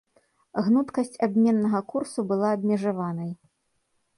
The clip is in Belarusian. Гнуткасць абменнага курсу была абмежаванай.